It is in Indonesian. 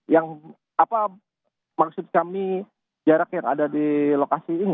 yang apa maksud kami jarak yang ada di lokasi ini